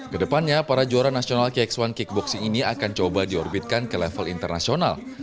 kedepannya para juara nasional kx satu kickboxing ini akan coba diorbitkan ke level internasional